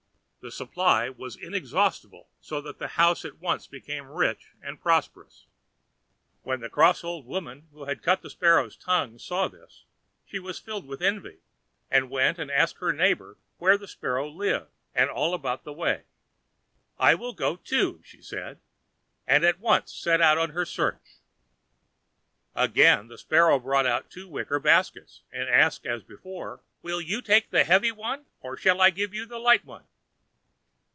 The supply was inexhaustible, so that the house at once became rich and prosperous. When the cross old woman who had cut the Sparrow's tongue saw this, she was filled with envy, and went and asked her neighbor where the Sparrow lived, and all about the way. "I will go, too," she said, and at once set out on her search. Again the Sparrow brought out two wicker baskets, and asked as before: "Will you take the heavy one, or shall I give you the light one?"